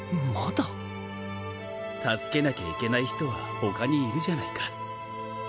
助けなきゃいけない人は他にいるじゃないか。